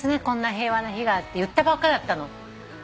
こんな平和な日がって言ったばっかりだったの。